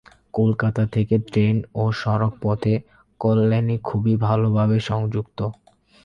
কলকাতা থেকে ট্রেন ও সড়ক পথে কল্যাণী খুবই ভাল ভাবে সংযুক্ত।